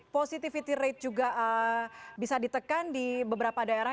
positivity rate juga bisa ditekan di beberapa daerah